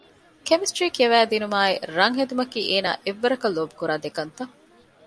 ކެމިސްޓަރީ ކިޔަވައިދިނުމާއި ރަންހެދުމަކީ އޭނާ އެއްވަރަކަށް ލޯބިކުރާ ދެކަންތައް